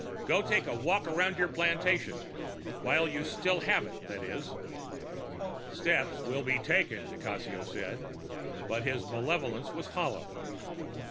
Go take a walk around your plantation. While you still have it, that is." "Steps will be taken," di Cassio said. But his malevolence was hollow.